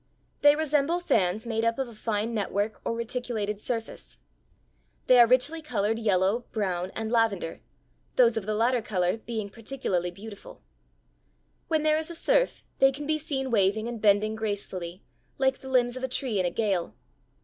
They resemble fans made up of a fine network or reticulated surface (Fig. 40). They are richly colored yellow, brown, and lavender, those of the latter color being particularly beautiful. When there is a surf they can be seen waving and bending gracefully, like the limbs of a tree in a gale.